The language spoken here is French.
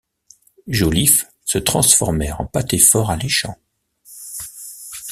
Joliffe, se transformèrent en pâtés fort alléchants.